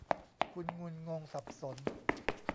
คุณงุนงงสับสน